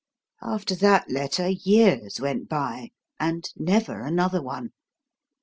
After that letter years went by, and never another one.